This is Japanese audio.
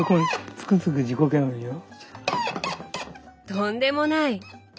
とんでもない！